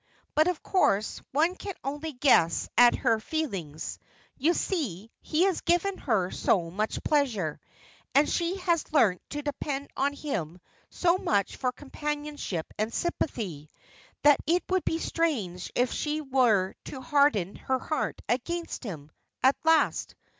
But, of course, one can only guess at her feelings. You see, he has given her so much pleasure. And she has learnt to depend on him so much for companionship and sympathy, that it would be strange if she were to harden her heart against him, at last.